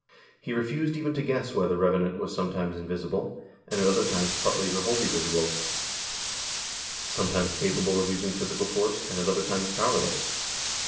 He refused even to guess why the revenant was sometimes invisible, and at other times partly or wholly visible; some times capable of using physical force, and at other times powerless.